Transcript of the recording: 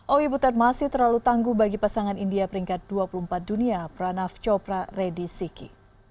owi butet masih terlalu tangguh bagi pasangan india peringkat dua puluh empat dunia pranaf copra redisiki